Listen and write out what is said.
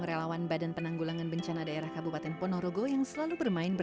lalu ular derik ular hijau serta berbagai jenis ular berbisa lainnya